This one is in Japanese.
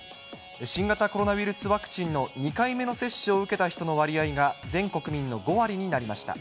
新型コロナウイルスワクチンの２回目の接種を受けた人の割合が、全国民の５割になりました。